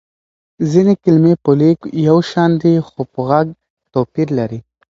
ځينې کلمې په ليک يو شان دي خو په غږ توپير لري.